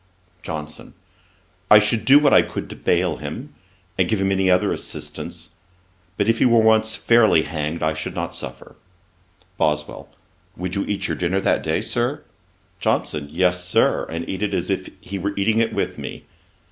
JOHNSON. 'I should do what I could to bail him, and give him any other assistance; but if he were once fairly hanged, I should not suffer.' BOSWELL. 'Would you eat your dinner that day, Sir?' JOHNSON. 'Yes, Sir; and eat it as if he were eating it with me.